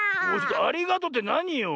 ありがとうってなによ？